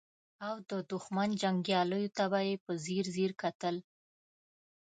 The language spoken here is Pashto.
او د دښمن جنګياليو ته به يې په ځير ځير کتل.